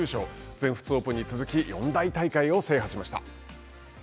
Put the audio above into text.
全仏オープンに続き四大大会を制覇しました。